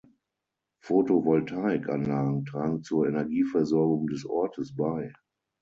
Photovoltaikanlagen tragen zur Energieversorgung des Ortes bei.